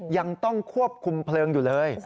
ยังต้องควบคุมเพลิงอยู่เลย